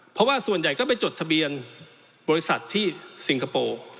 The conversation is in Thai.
เพราะว่าส่วนใหญ่ก็ไปจดทะเบียนบริษัทที่สิงคโปร์